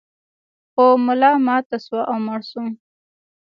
خر ملا ماته شوه او مړ شو.